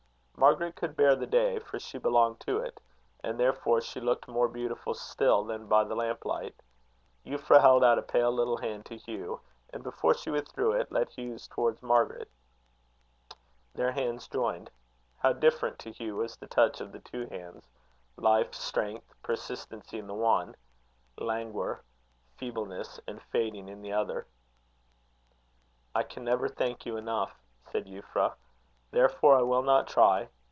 Margaret could bear the day, for she belonged to it; and therefore she looked more beautiful still than by the lamp light. Euphra held out a pale little hand to Hugh, and before she withdrew it, led Hugh's towards Margaret. Their hands joined. How different to Hugh was the touch of the two hands! Life, strength, persistency in the one: languor, feebleness, and fading in the other. "I can never thank you enough," said Euphra; "therefore I will not try.